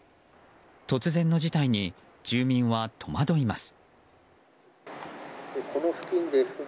突然の事態に住民は戸惑います。